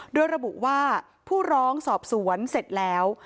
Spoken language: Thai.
โดยระบุว่าผู้ร้องสอบสวนเสร็จแล้ว